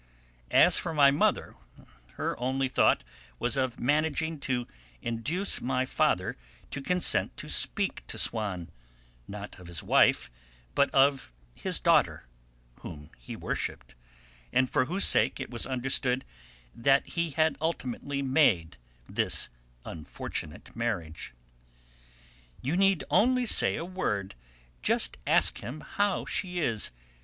As for my mother, her only thought was of managing to induce my father to consent to speak to Swann, not of his wife, but of his daughter, whom he worshipped, and for whose sake it was understood that he had ultimately made his unfortunate marriage. "You need only say a word; just ask him how she is.